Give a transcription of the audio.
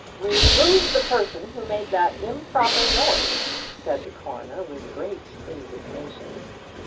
"Remove the person who made that improper noise," said the Coroner, with great indignation.